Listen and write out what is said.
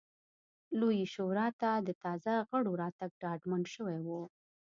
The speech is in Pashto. لویې شورا ته د تازه غړو راتګ ډاډمن شوی و.